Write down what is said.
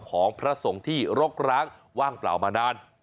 ของพระสงฆ์ที่รกร้างว่างเปล่ามานาน